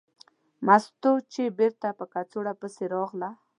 مستو چې بېرته په کڅوړه پسې راغله.